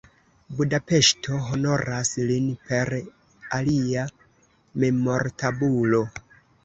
Budapeŝto honoras lin per alia memortabulo.